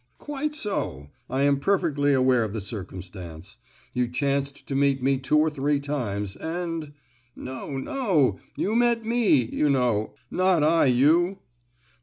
"Quite so—I am perfectly aware of the circumstance. You chanced to meet me two or three times, and——" "No, no! you met me, you know—not I you!"